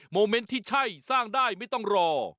เมนต์ที่ใช่สร้างได้ไม่ต้องรอ